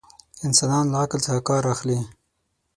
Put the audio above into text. انسانان له عقل څخه ڪار اخلي.